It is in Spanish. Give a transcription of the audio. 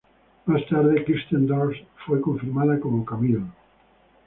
Más tarde Kirsten Dunst fue confirmada como Camille.